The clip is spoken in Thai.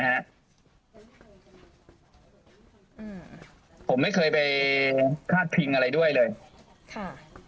อืมผมไม่เคยไปพลาดพิงอะไรด้วยเลยค่ะ